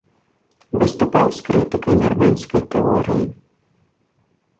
Выступаў з крытыкай нарманскай тэорыі.